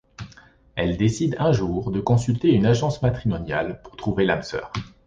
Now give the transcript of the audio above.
Elle décide un jour de consulter une agence matrimoniale pour trouver l'âme sœur.